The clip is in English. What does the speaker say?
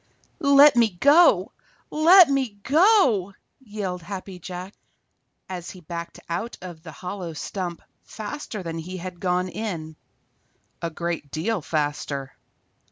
_ "Let me go! Let me go!" yelled Happy Jack, as he backed out of the hollow stump faster than he had gone in, a great deal faster.